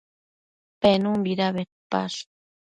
Penunbida bedpash?